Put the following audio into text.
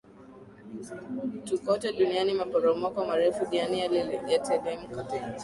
tu kote dunianiMaporomoko marefu duniani yatelemka